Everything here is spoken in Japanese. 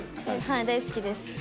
はい大好きです。